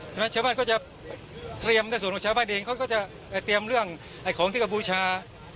ชาวบ้านก็จะเตรียมในส่วนของชาวบ้านเองเขาก็จะเตรียมเรื่องไอ้ของที่กัมพูชา